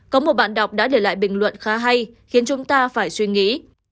có một bạn đọc đã để lại bình luận khá hay khiến chúng ta phải suy nghĩ